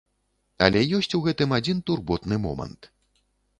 Але ёсць у гэтым адзін турботны момант.